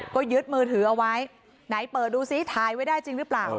ก็ยึดมือถือเอาไว้ไหนเปิดดูซิถ่ายไว้ได้จริงหรือเปล่า